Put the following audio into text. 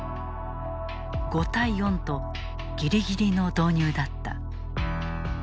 ５対４とギリギリの導入だった。